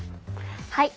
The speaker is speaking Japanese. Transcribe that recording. はい。